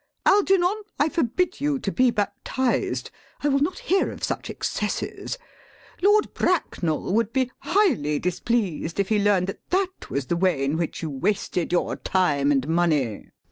Algernon, I forbid you to be baptized. I will not hear of such excesses. Lord Bracknell would be highly displeased if he learned that that was the way in which you wasted your time and money.